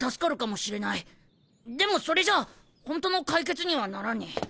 でもそれじゃあホントの解決にはならねえ。